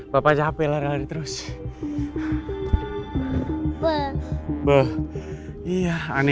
pak agak capek hidup hidupan